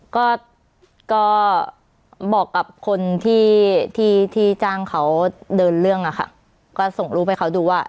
ก็ก็บอกกับคนที่ที่จ้างเขาเดินเรื่องอะค่ะก็ส่งรูปให้เขาดูว่า